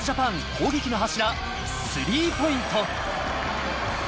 ＪＡＰＡＮ攻撃の柱、スリーポイント。